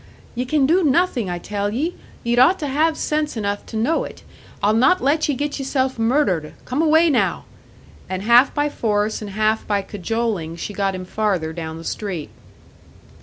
"Ye can do nothin', I tell ye! Ye'd ought to have sense enough to know it. I'll not let ye get yeself murdered! Come away now!" And half by force and half by cajoling, she got him farther down the street.